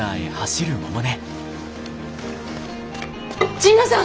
神野さん！